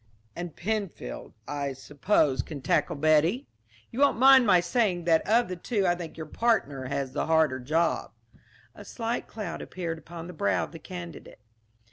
"And Penfield, I suppose, can tackle Betty? You won't mind my saying that of the two I think your partner has the harder job." A slight cloud appeared upon the brow of the candidate.